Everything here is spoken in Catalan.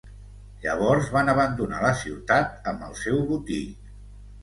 Llavors van abandonar la ciutat amb el seu botí.